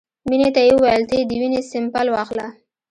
مينې ته يې وويل ته يې د وينې سېمپل واخله.